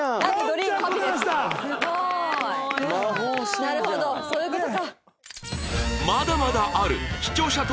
なるほどそういう事か。